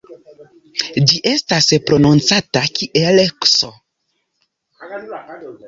Ĝi estas prononcata kiel "ks".